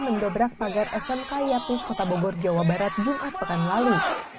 mendobrak pagar smk yatus kota bogor jawa barat jumat pekan lalu